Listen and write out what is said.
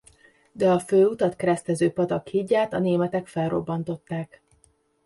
De a főutat keresztező patak hídját a németek felrobbantották.